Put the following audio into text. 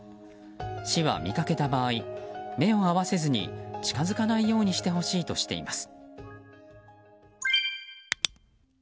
市は見かけた場合目を合わせずに近づかないようにしてほしいとしています。